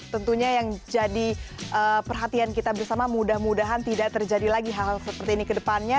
tentunya yang jadi perhatian kita bersama mudah mudahan tidak terjadi lagi hal hal seperti ini ke depannya